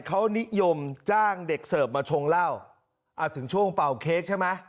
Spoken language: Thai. เขานิยมจ้างเด็กเสิร์ฟมาชงเหล้าอ่าถึงช่วงเป่าเค้กใช่ไหม